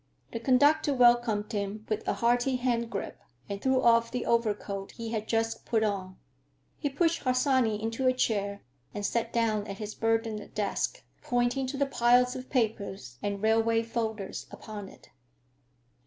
The conductor welcomed him with a hearty hand grip and threw off the overcoat he had just put on. He pushed Harsanyi into a chair and sat down at his burdened desk, pointing to the piles of papers and railway folders upon it.